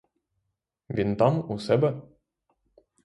Він там, у себе?